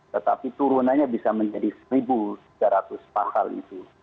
tetapi turunannya bisa menjadi satu tiga ratus pasal itu